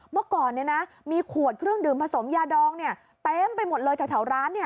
เมื่อก่อนมีขวดเครื่องดื่มผสมยาดองเต็มไปหมดเลยแถวร้าน